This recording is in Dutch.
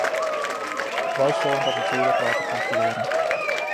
Wij zullen dat natuurlijk laten controleren.